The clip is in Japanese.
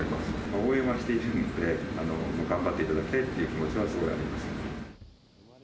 応援はしているので、頑張っていただきたいという気持ちはすごいありますね。